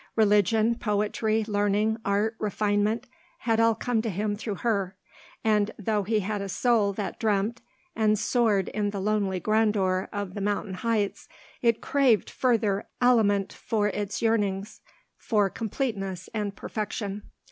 Religion, poetry, learning, art, refinement, had all come to him through her; and though he had a soul that dreamt and soared in the lonely grandeur of the mountain heights, it craved further aliment for its yearnings for completeness and perfection.